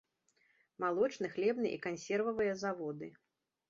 Малочны, хлебны і кансервавыя заводы.